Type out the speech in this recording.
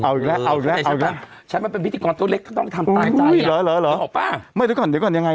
เอาแล้วเอาแล้วใช้มาเป็นพิธีกรตัวเล็กก็ต้องทำตายตาย